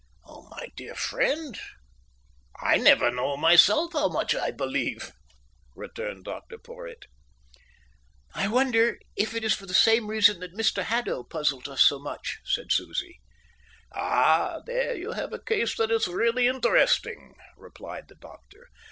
"My dear friend, I never know myself how much I believe," returned Dr Porhoët. "I wonder if it is for the same reason that Mr Haddo puzzles us so much," said Susie. "Ah, there you have a case that is really interesting," replied the doctor.